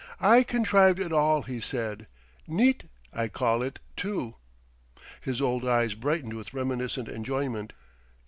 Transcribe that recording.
"I contrived it all," he said; "neat, I call it, too." His old eyes brightened with reminiscent enjoyment.